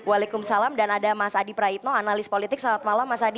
waalaikumsalam dan ada mas adi praitno analis politik selamat malam mas adi